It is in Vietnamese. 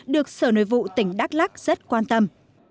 được sở nội vụ tỉnh đắk lắc rất quan tâm